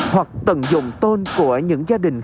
hoặc tận dụng tôn của những gia đình